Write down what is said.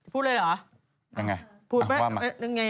พูดเลยหรอ